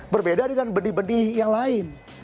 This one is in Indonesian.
berbeda dengan benih benih yang lain